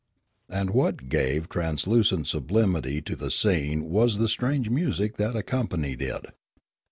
And what gave transcendent sublimity to the scene was the strange music that accompanied it.